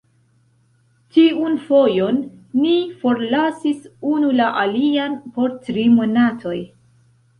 Tiun fojon, ni forlasis unu la alian por tri monatoj.